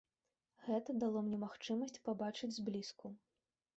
Гэта дало мне магчымасць пабачыць зблізку.